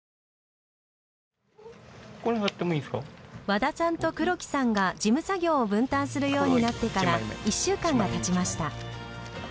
和田さんと黒木さんが事務作業を分担するようになってから１週間が経ちました。